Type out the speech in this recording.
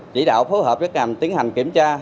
chỉ đạo phối hợp với ngành tiến hành kiểm tra